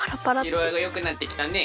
いろあいがよくなってきたね。